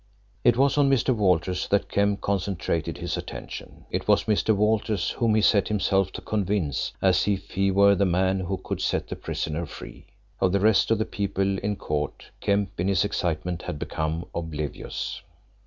It was on Mr. Walters that Kemp concentrated his attention. It was Mr. Walters whom he set himself to convince as if he were the man who could set the prisoner free. Of the rest of the people in court Kemp in his excitement had become oblivious.